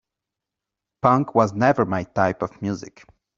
Punk was never my type of music.